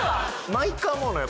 毎回思うのよ。